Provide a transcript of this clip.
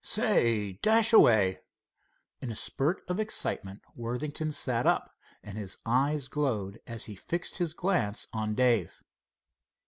Say, Dashaway!" In a spurt of excitement Worthington sat up, and his eyes glowed as he fixed his glance on Dave.